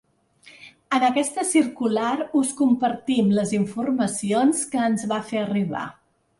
En aquesta circular us compartim les informacions que ens va fer arribar.